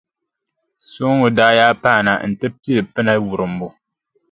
Sooŋa daa yaa paana nti pili pina wurimbu.